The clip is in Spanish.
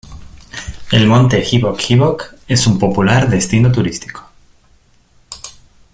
El monte Hibok-Hibok es un popular destino turístico.